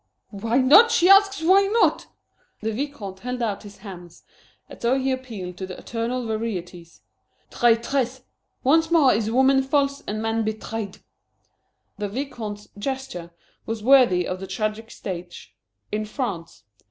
"Why not? She asks why not!" The Vicomte held out his hands, as though he appealed to the eternal verities. "Traîtresse! Once more is woman false and man betrayed!" The Vicomte's gesture was worthy of the tragic stage in France.